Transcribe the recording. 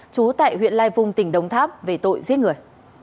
trú tại huyện lai vung tỉnh đồng tháp về tội giết người